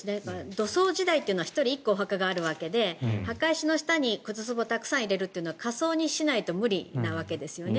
土葬時代というのは１人１個お墓があるわけで墓石の下に骨つぼをたくさん入れるのは火葬にしないと無理なわけですよね。